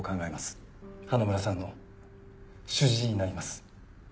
花村さんの主治医になります。